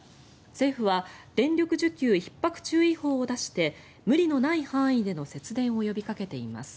政府は電力需給ひっ迫注意報を出して無理のない範囲での節電を呼びかけています。